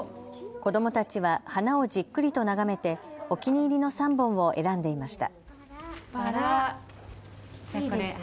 子どもたちは花をじっくりと眺めて、お気に入りの３本を選んでいました。